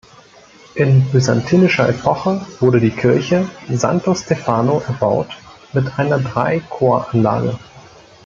In byzantinischer Epoche wurde die Kirche Santo Stefano erbaut mit einer Drei-Chor-Anlage.